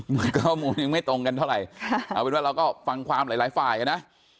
มันข้อมูลยังไม่ตรงกันเท่าไหร่เอาเป็นว่าเราก็ฟังความหลายหลายฝ่ายนะ